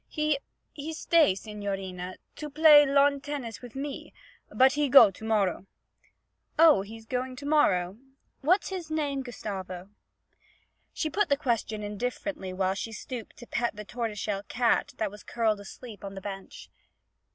'He he stay, signorina, to play lawn tennis wif me, but he go to morrow.' 'Oh, he is going to morrow? What's his name, Gustavo?' She put the question indifferently while she stooped to pet a tortoise shell cat that was curled asleep on the bench.